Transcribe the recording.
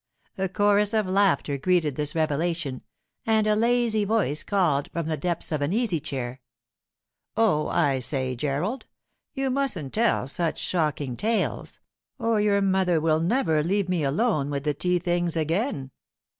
A chorus of laughter greeted this revelation, and a lazy voice called from the depths of an easy chair, 'Oh, I say, Gerald, you mustn't tell such shocking tales, or your mother will never leave me alone with the tea things again.